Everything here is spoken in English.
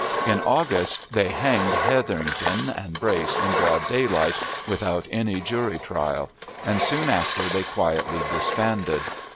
In August, they hanged Hetherington and Brace in broad daylight, without any jury trial; and, soon after, they quietly disbanded.